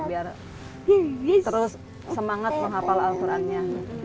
biar terus semangat menghafal al qurannya